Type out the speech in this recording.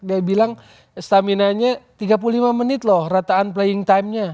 dia bilang stamina nya tiga puluh lima menit loh rataan playing time nya